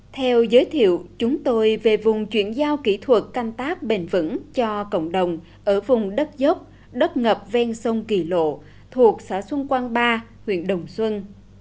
theo giới thiệu chúng tôi về vùng chuyển giao kỹ thuật canh tác bền vững cho cộng đồng ở vùng đất dốc đất ngập ven sông kỳ lộ thuộc xã xuân quang ba huyện đồng xuân